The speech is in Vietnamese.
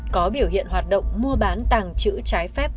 có biểu hiện hoạt động mua bán tàng trữ trái phép